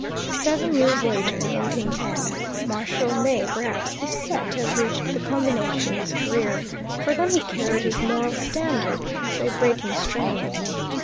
Seven years later, in 1810, Marshall may, perhaps, be said to have reached the culmination of his career, for then he carried his moral standard to a breaking strain.